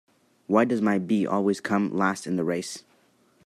Why does my bee always come last in the race?